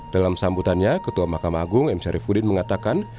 dalam sambutannya ketua mahkamah agung m syarifudin mengatakan